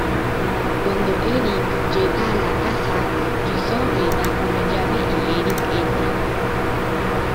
Cuando Eric llega a la casa, Jigsaw le da una llave y Eric entra.